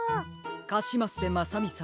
カシマッセまさみさん。